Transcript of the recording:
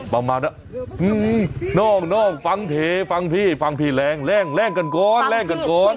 ประมาณว่านอกฟังเทฟังพี่ฟังพี่แรงแรงกันก่อนแรงกันก่อน